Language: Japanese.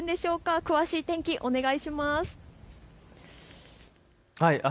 詳しい天気お願いします。